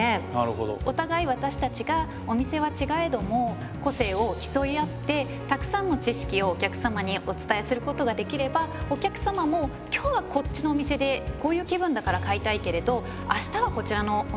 おたがい私たちがお店は違えども個性を競い合ってたくさんの知識をお客様にお伝えすることができればお客様も今日はこっちのお店でこういう気分だから買いたいけれど明日はこちらのお店で。